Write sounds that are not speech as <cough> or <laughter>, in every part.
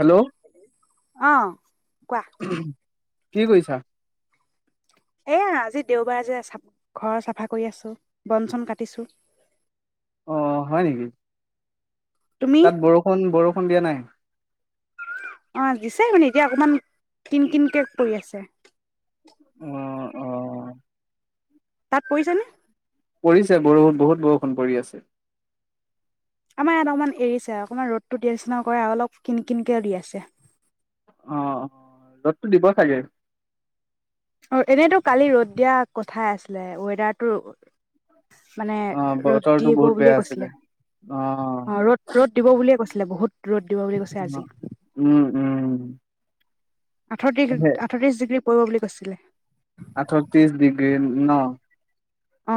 Hello অ', কোৱা কি কৰিছা এয়া আজি দেওবাৰ যে, চাফ-ঘৰ চাফা কৰি আছোঁ, বন চন কাটিছোঁ। অ', হয়, নেকি? তুমি তাত বৰষুণ বৰষুণ <unintelligible> দিয়া নাই? অ দিছে মানে এতিয়া অকণমান কিন কিনকে পৰি আছে অ অ তাত পৰিছে নে পৰিছে বৰষুণ বহুত বৰষুণ পৰি আছে আমাৰ ইয়াত অকমান এৰিছে আৰু অকণমান ৰ'দতটো দিয়া নিচিনা কৰে আৰু অলপ কিন কিনকেও দি আছে অ ৰ'দটো দিব চাগে অ এনেইতো কালি ৰ'দ দিয়া কথাই আছিলে ৱেডাৰটো মানে অ ৰ'দ বতৰটো দিব বহুত বুলিয়ে বেয়া আছিলে। কৈছিলে, অ অ ৰ'দ ৰ'দ দিব বুলিয়ে কৈছিলে বহুত ৰ'দ দিব বুলি কৈছে অ আজি উম উম আঠতি সে আঠত্ৰিশ ডিগ্ৰী পৰিব বুলি কৈছিলে। আঠত্ৰিশ ডিগ্ৰী ন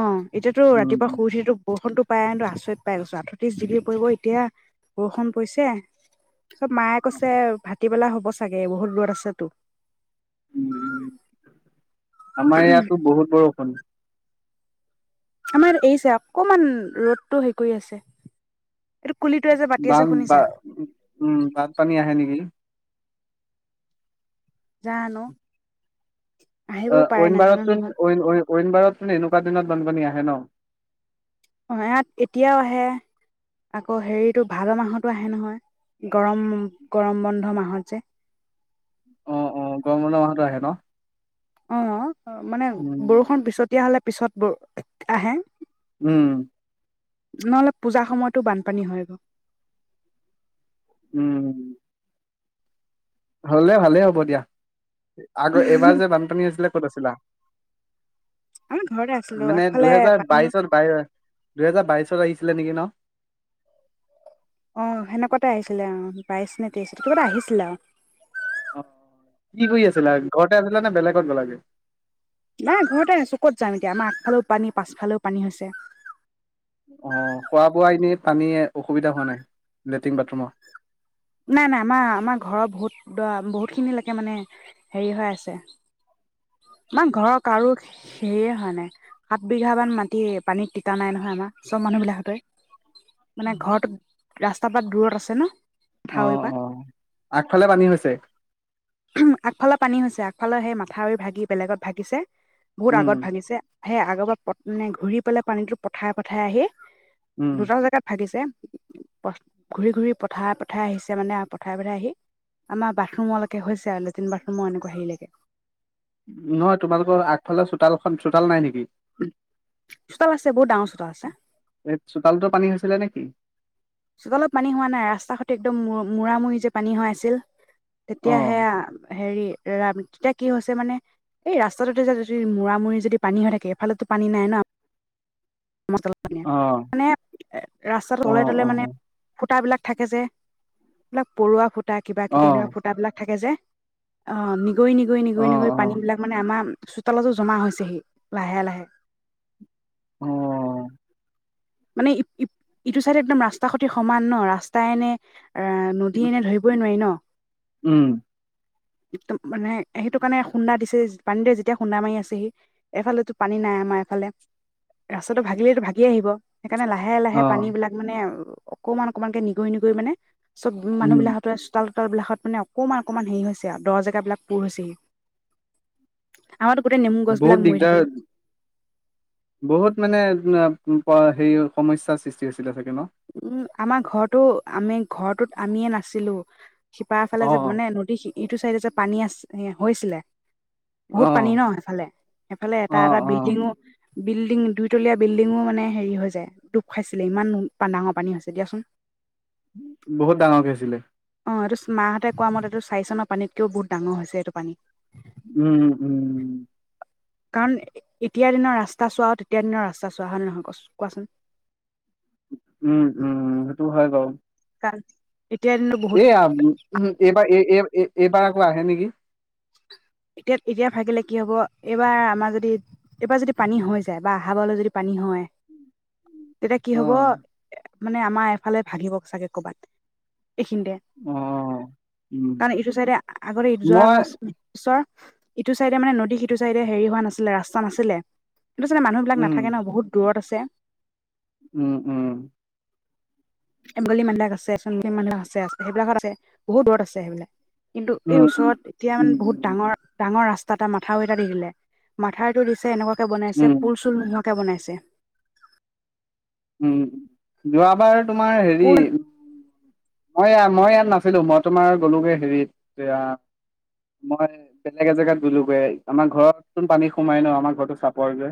অ এতিয়াটো উম ৰাতিপুৱা শুই উঠিটো বৰষুণটো পাই কিন্তু আচৰিত পাই গৈছো আঠত্ৰিশ ডিগ্ৰী পৰিব এতিয়া বৰষুণ পৰিছে পিছত মায়ে কৈছে ভাত হিপেলাই হ'ব চাগে বহুত দূৰত আছেটো আমাৰ ইয়াতো বহুত বৰষুণ আমাৰ এৰিছে অকমান ৰ'দতটো হেৰি কৰি আছে, এইটো কুলিটোৱে যে মাতি আছে বান বা শুনিছা উম বানপানী আহে নেকি জানো আহিবও অ পাৰে ঐন বাৰত নাজানো চোন নহয় ঐন ঐন ঐন বাৰত চোন এনেকুৱা দিনত বানপানী আহে হে ন অ ইয়াত এতিয়াও আহে, আকৌ হেৰিটো ভাদ মাহটো আহে নহয় গৰম গৰম বন্ধ মাহ মাহত যে অ অ গৰম বন্ধ মাহটো আহে ন অ অ মানে উম বৰষুণ পিছতীয়া হ'লে পিছত বৰ আহে। উম নহলে পূজাৰ সময়তো বানপানী হয় গ উম। হলে ভালে হ'ব দিয়া। আগৰ এইবাৰ যে বানপানী আছিলে ক'ত আছিলা? আমি ঘৰতে আছিলো মানে আগফালে দুহেজাৰ পানী বাইশৰ বাই দুহেজাৰ বাইশত আহিছিলে নেকি ন? অঁ সেনেকুৱাতে আহিছিলে অ, বাইশ নে তে্ৰশ কিবা এটা আহিছিলে আৰু। অ', কি কৰি আছিলা ঘৰতে আছিলা নে বেলেগত গলাগে? নাই ঘৰতে আছো, ক'ত যাম এতিয়া আমাৰ আগফালেও পানী পাছফালেও পানী হৈছে। অ', খোৱা-বোৱা এনেই পানী অসুবিধা হোৱা নাই লেট্ৰিন বাথৰুমৰ? নাই, নাই আমাৰ আমাৰ ঘৰৰ বহুত দৰা বহুতখিনিলৈকে মানে হেৰি হৈ আছে আমাৰ ঘৰৰত কাৰো সেয়ে হয় নাই, সাত বিঘা মান মাটি পানীত তিতা নাই নহয় আমাৰ চব মানুহ বিলাকতে মানে ঘৰত ৰাস্ত কাবা- দূৰত আছে ন? মথাউৰিৰ অ', পৰা অ, আগফালে পানী হৈছে। আগফালৰ পানী হৈছে, আগফালৰ সেই মাথাউৰি ভাগি বেলেগত ভাগিছে বহুত উম আগত ভাঙিছে। সে আগৰ পৰা পে ঘূৰি পেলাই পানীতো পথাৰে-পথাৰে আহি উম দুটা জেগাত ভাগিছে। ঘুৰি-ঘুৰি পথাৰে-পথাৰে আহিছে মানে, পথাৰে পথাৰে আহি আমাৰ বাথৰুমলৈে হৈছে আৰু লেট্ৰিন-বাথৰুমৰ এনেকুৱা হেৰিলৈকে নহয় তোমালোকৰ আগফালে চোতালখন, চোতাল নাই নেকি? চোতাল আছে, বহুত ডাঙৰ চোতাল আছে। এই চোতালতো পানী হৈছিলে নেকি? চোতালত পানী হোৱা নাই ৰাস্তা সতে মূৰা মূৰি যে পানী হোৱা আছিল। অ তেতিয়া সেয়া হেৰি তেতিয়া কি হৈছে মানে, এই ৰাস্তাটোতে যদি মৰা-মূৰি যদি পানী হৈ থাকে এফালতো পানী নাই ন। লন, অ মানে ৰাস্তাত অ তলে তলে অ মানে ফুটা বিলাক থাকে যে, এইবিলাক পৰুৱা ফু ফুটা অ কিবা-কিবি এনেুৱা ফুটাবিলাক থাকে যে। অ', নি গৈ অ অ নিগৈ-নিগৈ-নিগৈ পানীবিলাক মানে আমাৰ চোতালতো জমা হৈছেহি, লাহে-লাহে। অ <unintelligible> মানে ই-ইটো চাইডে একদম ৰাস্তাৰ সতি সমান ন ৰাস্তাই এনে এ, নদী এনে ধৰিবই নোৱাৰি ন। উম একম মানে সেইটো কাৰণে খুন্দা দিছে পানী দৰে যেতিয়া খুন্দা মাৰি আছেহি এফালো পানী নাই আমাৰ এফালে ৰাস্তাটো ভাগিলেইেতো ভাগি আহিব সেইকাৰণে লাহে লাহে অ পানীবিলাক মানে অকমান অকমানকে নিগৰি নিগৰি মানে চব উম মানুহবিলাকত চোতাল বিলাকত মানে অকমান অকমান হেৰি হৈছে আৰু দহ জেগ বিলাক পূুৰ হৈছেহি আমাৰতো গোটেই নেমু গছ বহুত বিলাক মৰি দিগদাৰ থাকিলে বহুত মানে সে সমস্যাৰ সৃষ্টি হৈছিলে চাগে ন উম আমাৰ ঘৰটো আমি ঘৰটোত আমিয়ে নাছিলো শিপা অ এফালে যে মানে নদী শি এইটো চাইডে যে পানী আ হৈছিলে অ বহুত পানী ন সেইফালে সেইফালে এটা এটা অ বিল্ডিঙো বিল্ডিং দুইতলীয়া বিল্ডিঙো মানে হেৰি হৈ যায় ডুখ খাইছিলে ইমান প ডাঙৰ পানী হৈছে দিয়াচোন বহুত ডাঙৰকে আছিলে অ এইটো মাহঁতে কোৱা মতে এইটো চাৰি চনৰ পানীতকেও বহুত ডাঙৰ হৈছে এইটো পানী উম উম উম কাৰণ এতিয়াৰ দিনৰ ৰাস্তা চোৱা তেতিয়াৰ দিনৰ ৰাস্তা চোৱা হল নহয় ক কোৱাচোন উম উম সেইটো হয় বাও তাত এ এবাৰ এ এই এইবাৰ আকৌ আহে নেকি এতিয়া এতিয়া ভাগিলে কি হ'ব এইবাৰ আমাৰ যদি এইবাৰ যদি পানী হৈ যায় বা আহাবাৰলৈ যদি পানী হয় তেতিয়া কি অ হব মানে আমাৰ এফালে ভাগিব চাগে কৰ'বাত এইখিনিতে অ উম কাৰণ এইটো চাইডে আগতে যোৱা মই বা চৰ ইটো চাইডে মানে নদী সিটো চাইডে হেৰি হোৱা নাছিলে ৰাস্তা নাছিলে অ চলতে মানুবিলাক উম নাথাকে নহু দূৰত আছে আছে উম উম এমলী মান্দাক আছে চী মানদাক আছে আছে সেইবিলাকত আছে বহুত দূৰত আছে সেইবিলাক কিন্তু এই উম ওচৰত এতিয়া মানে উম বহুত উম ডাঙৰ ডাঙৰ ৰাস্তা তাটা মাথাউ এটা দি দিলে মথাউটো দিছে এনেকুৱা বনাইছে উম পুল চুল নহক বনাইছে যোৱাবাৰ তোমাৰ হেৰি পুল মই মই ইয়াত নাছিলো মই তোমাৰ গলোগে হেৰিত এয়া মই বেলেগ এজেগাত গলোগৈ আমাৰ ঘৰতোন পানী সোমাই ন আমাৰ ঘৰটো চাপৰযে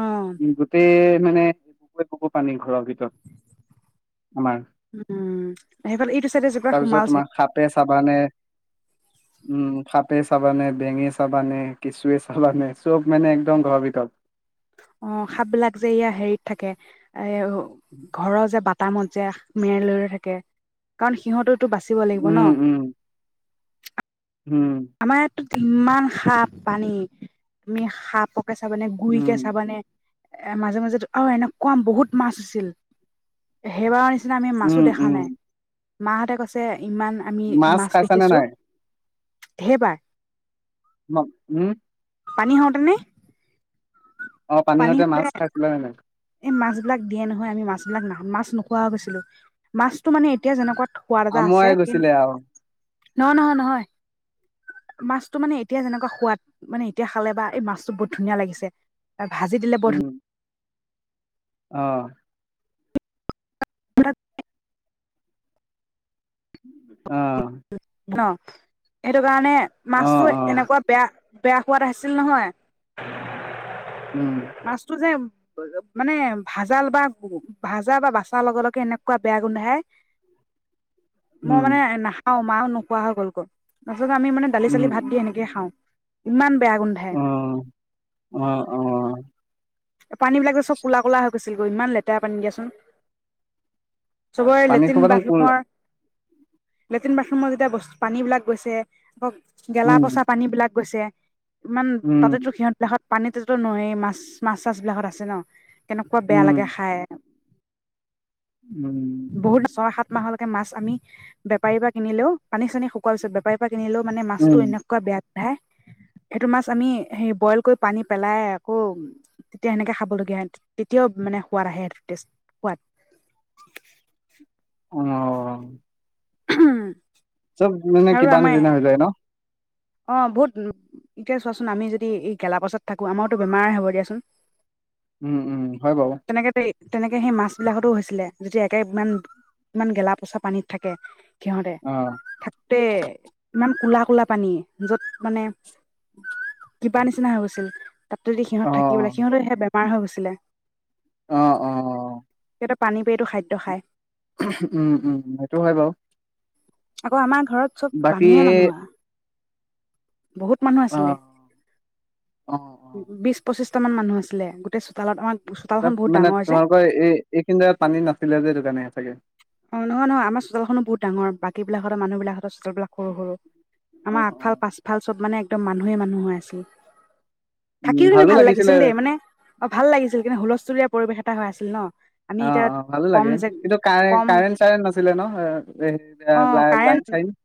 অ উ গোটেই মানে বকুৱৰে বগু পানী ঘৰৰ ভিতৰত আমাৰ উম সেইফে এইটো চাইডে যেকৰা তাৰপিছত তোমাৰ সোমালয সাপে চাবানে উম সাপে চাব নে বেঙে চাবানে কিচুৱে চাবানে চব মানে একদম ঘৰ ভিতৰত অ সাপ বিলাক যে ইয়া হেৰিত থাকে। এ ঘৰৰ যে বাট তামত যে মেৰে লৈ থাকে কাৰণ সিহঁতত টো বাচিব লাগিব উম ন উম উম আমাৰ ইয়াতো ইমান সাপ পানী তুমি সাপ চাবানে গুৰি উম কে চাবানে এ মাজে মাজেতো আৰু এনেকুৱা বহুত মাছ আছিল সেইবাৰৰ নিচনা নিচিনা আমি মাছো উম দেখা উম নাই মাহঁতে কৈছে ইমান আমি মাছ খাইছানে দেখিছো নাই সেইবাৰ ম উম পানী হওঁতেনে অ পানী পানীহতে হওঁতে মাছ খাইছিলেনে নাই। এই মাছ বিলাক দিয়ে নহয় আমি মাছ বিলাক ন মাছ নোখোৱা হৈ গৈছিলো মাছতো মানে এতিয়া যেনেকুৱা আমুৱাই গৈছিলে আৰু নহ নহয় নহয় মাছতটো মানে এতিয়া যেনেকুৱা সোৱাদ মানে এতিয়া খালে বা এই মাছটো বহুত ধুনীয়া লাগিছে ভাজি দিলে বৰ ধুনীয়া আহ প্ৰল অ অ <inaudible> ন এটো সেইটো কাৰণে অ মাছতো অ এনেকুৱা বেয়া। বেয়া খোৱাদ আহিছিল নহয় উম মাছটো যে মানে ভাজাল বা ভাজা বা বাচাৰ লগে লগে এনেকুৱা বেয়া গোন্ধাই মোৰ উম মানে এনে অ, মায়ও নোখোৱা হৈ গ'ল গ'ল। য'ত আমি মানে দালি উম চালি ভাত দি উম, এনেকৈ খাওঁ। ইমান বেয়া গোন্ধাই। অ অ অ পানী বিলাক যে চব কলা কলা হৈ গৈছিল গৈ, ইমান লেতেৰা পানী দিয়াচোন। চবৰে পানী লেট্ৰিন খোপাদম কল বাথৰুমৰ লেট্ৰিন বাথৰুমত এতিয়া বস্তু পানী বিলাক গৈছে, আক গেলা উম পচা পানী বিলাক গৈছে। ইমান, উম তাতেতো সিহঁত <unintelligible> পানীতো <unintelligible> মাছ, মাছ চাছ বিলাকত আছে ন। কেনেকুৱা বেয়া উম লাগে খাই। উম বহুত ছয় সাত মাহলেকে মাছ আমি বেপাৰীৰ পৰা কিনিলেও, পানী চানী শুকোৱাৰ পিছত বেপাৰীৰ পৰা কিনিলেও মানে উম মাছটো এনেকুৱা বেয়া <unintelligible> এইটো মাছ আমি হেৰি বইল কৰি পানী পেলাই আকৌ, তেনেকে খাবলগীয়া, তেতিয়াও মানে সোৱাদ আহে টেষ্ট সোৱাদ। অঅ <unintelligible> চব মানে আৰু কিবা আমাৰ নিচিনা হৈ যায় ন। অ, বহুত। এতিয়া চোৱাচোন আমি যদি এই গেলা পচাত থাকো আমাৰতো বেমাৰে হ'ব দিয়াচোন। উম, উম, হয় বাৰু। তেনেকে তেনেকে সেই মাছ বিলাকতো হৈছিলে যেতিয়া একে ইমান, ইমান গেলা পচা পানীত থাকে। সিহঁতে, অ <unintelligible> ইমান কোলা কোলা পানীয়ে। য'ত মানে, কিবা নিচিনা হৈ গৈছিলো। তাতো যদি সিহঁত অ থাকিবলৈ সিহঁতে সেই বেমা পাৰ হৈ গৈছিলে। অ', অ', অ। <unintelligible> পানী পাই এইটো খাদ্য খায়। উম, উম, সেইটো হয় বাৰু। আকৌ আমাৰ ঘৰত চব বাকী মানুহে মানুহ আহ বহুত মানুহ আছিলে। অহ ', বিশ -পঁচিশটা মান মানুহ আছিলে গোটেই চোতালত আমাক, ' তাত মানে, তোমাৰ পৰা এই এইখিনি জাগাত পানী নাছিলে যে, এইটো কাৰণে। <unintelligible> অ', - নহয় -নহয় আৰু চোটালখনো বহুডাঙৰ বাকী বিলাকতহে -মানুহ বিলাকত চোটালবিলাক সৰু - সৰু। অ আমাৰ অ আগফাল -পাচফাল চব মানে, - একদম মানুহেই মানুহ হৈ আছিল উম থাকিও কিন্তু ভালো ভাল লাগিছিলে লাগিছিল দেই মানে অ ভাল লাগিছিল কিন্তু হুলস্থুলীয়া পৰিৱেশ হৈ আছিল ন', আমি অ', এতিয়া -অ ', ভালো কম লাগে যে কিন্তু কাই, কম - কাৰেণ- চাৰেণ্ট নাছিলে ন', অ কাৰেণ্ট লাইন- চাইন, '-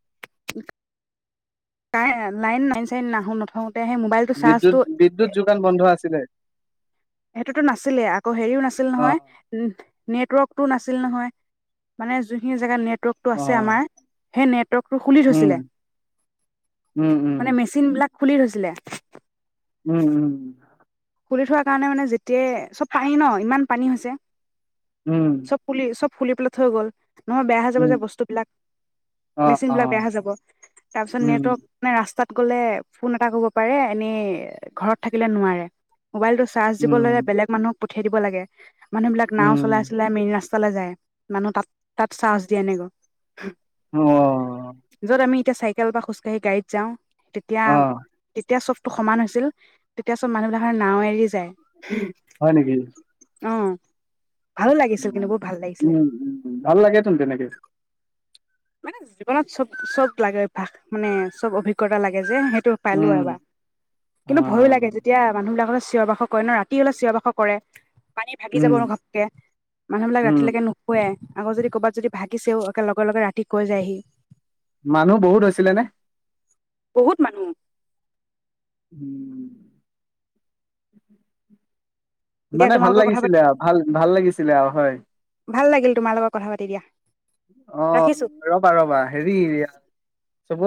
এ লাইন -মাইন চেইন নাহো নথওঁ, - বিদ্যুৎ- বিদ্যুৎ যোগান বন্ধ আছিলে। সেইটোতো নাছিলে আকৌ হেৰিও নাছিল অ নহয় উ নেটৱৰ্কটো নাছিল নহয়। মানে যোনখিনি জেগাত নেট, - পটকটো অ আছে আমাৰ সেনেট, নেটৱৰ্ক খুলি উম থৈইচিলে উম উম মানে মেচিন খুলি থৈছিলে। উম উম খুলি থোৱা কাৰণে মানে যেতিয়াই চব পানী ন', ইমান পানী হৈছে। উম চব পুলি চব', - ফুলি পেলাই থৈ গ'ল। নহয় বেয়া হৈ যাব উম যে, ' বস্তুবিলাক। অ মেচিন- অ -বিলাক বেয়া হৈ যাব, তাৰপিছত উম নেটৱৰ্ক মানে ৰাস্তাত। গ'লে ফোন এটা কৰিব পাৰে, এনে ঘৰত থাকিলে নোৱাৰে। মোবাইলটো চাৰ্জ দিবলে উম বেলেগ মানুক পঠিয়াই দিব লাগে। মানুহবিলাক নাও চলাই উম চলাই মেইন ৰাচতা পালে যায় মানুহ তাত তাত চাজ্ দিয়ে আনেগৈ অ য'ত আমি, এতিয়া, চাইকেল বা খোজ কাহি গাড়ীত যাওঁ। তেতিয়া অ তেতিয়া চব ত ', সমান হৈছিল তেতিয়া চব মানুহবিলাক', হয় নাও এৰি যায় হয় নেকি অহ', উম উম ভাল লাগেতেন তেনেকে মানে জীৱনত চব চব লাগে অভ্যাস মানে চব অভিজ্ঞতা লাগে যে সেইটো পালো উম এবাৰ অ কিন্তু ভয়ো লাগে যেতিয়া মানুহ বিলাকৰ চিঞৰ বাসৰ কৰে ন ৰাতি হ'লে চিঞ বাসৰ কৰে পানী ভাগি যাব উম নো ঘপকে মানুহ বিলাক উম ৰাতিলৈকে নুশুৱে আকৌ যদি কবাত যদি ভাগিছেও একে লগে লগে ৰাতি গজায়হি মানুহ বহুত হৈছিলে নে বহুত মানুহ উম দিয়া মানে ভাল তোমালোকৰ কথা লাগিছিলে পাতি আৰু ভাল ভাল লাগিছিল ছিলে হয় ভাল লাগিল তোমাৰ লগত কথা পাতি দিয়া অ ৰাখিছো ৰবা ৰবা হেৰিয়